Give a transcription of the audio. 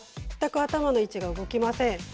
全く頭の位置が動きません。